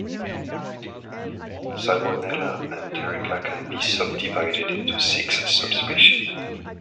"Salmonella enterica" can be subdivided into six subspecies.